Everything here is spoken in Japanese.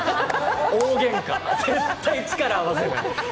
大げんか、絶対力合わせない。